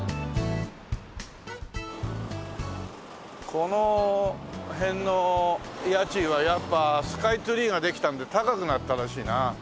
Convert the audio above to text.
この辺の家賃はやっぱスカイツリーができたんで高くなったらしいな。